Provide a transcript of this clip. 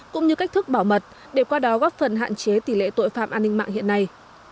cũng như cách thức bảo mật để qua đó góp phần hạn chế tỷ lệ tội phạm an ninh mạng hiện nay